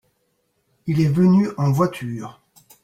Il est venu en voiture.